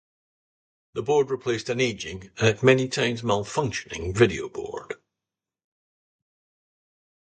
The board replaced an aging, and many times malfunctioning video board.